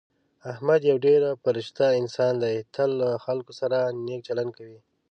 احمد یو ډېر فرشته انسان دی. تل له خلکو سره نېک چلند کوي.